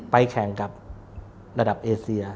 แข่งกับระดับเอเซีย